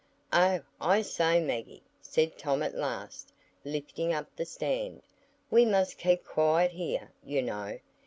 "Oh, I say, Maggie," said Tom at last, lifting up the stand, "we must keep quiet here, you know.